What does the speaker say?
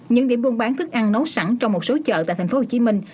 những điểm buôn bán thức ăn nấu sẵn trong một số chợ tại thành phố hồ chí minh